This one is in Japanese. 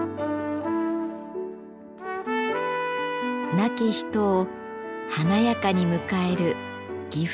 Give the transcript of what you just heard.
亡き人を華やかに迎える岐阜提灯。